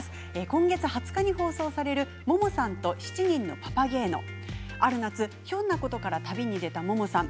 今月２０日に放送される特集ドラマ「ももさんと７人のパパゲーノ」ある夏、ひょんなことから旅に出た、ももさん。